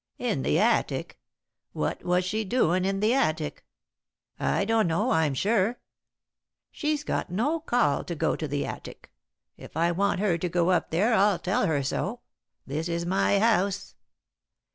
"In the attic? What was she doin' in the attic?" "I don't know, I'm sure." "She's got no call to go to the attic. If I want her to go up there, I'll tell her so. This is my house."